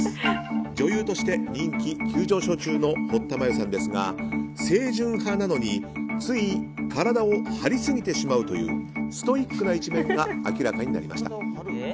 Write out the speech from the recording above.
女優として人気急上昇中の堀田真由さんですが清純派なのについ体を張りすぎてしまうというストイックな一面が明らかになりました。